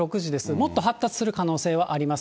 もっと発達する可能性はあります。